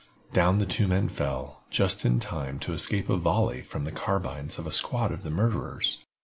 Down the two men fell, just in time to escape a volley from the carbines of a squad of the murderers.